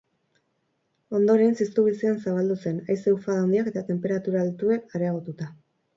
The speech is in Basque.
Ondoren, ziztu bizian zabaldu zen, haize-ufada handiak eta tenperatura altuek areagotuta.